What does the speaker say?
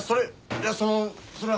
いやそのそれは。